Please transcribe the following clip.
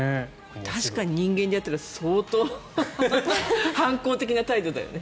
確かに人間でやったら相当反抗的な態度だよね。